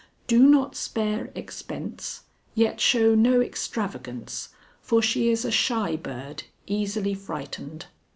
Do not spare expense, yet show no extravagance, for she is a shy bird, easily frightened.